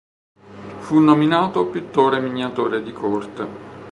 Fu nominato pittore miniatore di corte.